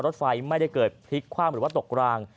รถไฟไม่ได้เกิดพลิกคว่ำหรือว่าตกราง